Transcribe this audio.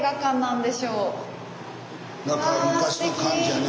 だから昔の感じやね。